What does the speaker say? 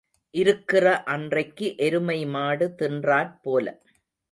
இருக்கிற அன்றைக்கு எருமை மாடு தின்றாற் போல.